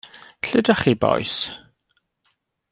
Lle 'dach chi bois?